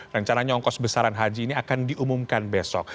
rencananya ongkos besaran haji ini akan diumumkan besok